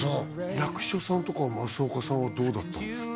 役所さんとか益岡さんはどうだったんですか？